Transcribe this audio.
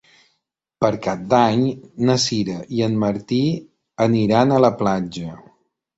Per Cap d'Any na Sira i en Martí aniran a la platja.